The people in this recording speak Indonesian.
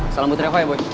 salam buat reva ya boy